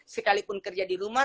sekalipun kerja di rumah